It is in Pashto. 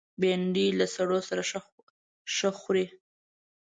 بېنډۍ له سړو سره ښه خوري